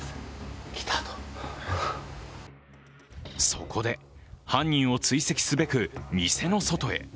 そこで、犯人を追跡すべく店の外へ。